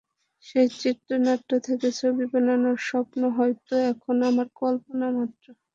সেই চিত্রনাট্য থেকে ছবি বানানোর স্বপ্ন হয়তো এখন আমার কল্পনা মাত্র।